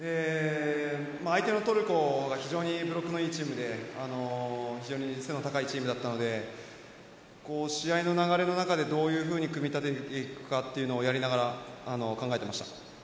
相手のトルコが非常にブロックの良いチームで非常に背の高いチームだったので試合の流れの中でどういうふうに組み立てていくかというのをやりながら考えていました。